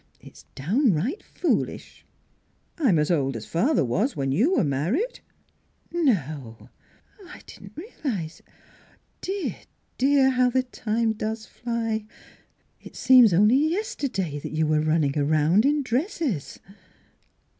It's downright foolish." NEIGHBORS 241 " I'm as old as father was when you were married." "No! I didn't realize it. ... Dear, dear, how the time does fly! It seems only yesterday that you were running around in dresses."